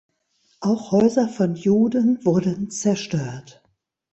Auch Häuser von Juden wurden zerstört.